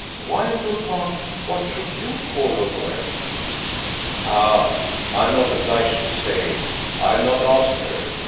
"Why, Lord Mark, what should YOU call her word?" "Ah I'm not obliged to say. I've not asked her.